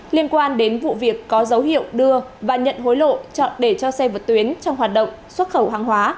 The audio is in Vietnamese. liên quan đến vụ việc có dấu hiệu đưa và nhận hối lộ chọn để cho xe vượt tuyến trong hoạt động xuất khẩu hàng hóa